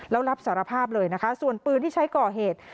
แล้วรับสารภาพเลยนะคะส่วนปืนที่ใช้ก่อเหตุ